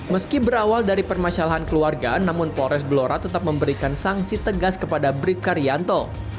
meski berawal dari permasalahan keluarga namun polres blora tetap memberikan sanksi tegas kepada bribka rianto